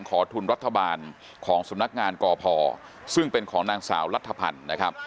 ขอทุนรัฐบาลของสำนักงานกพซึ่งเป็นของนางสาวรัฐพันธ์นะครับ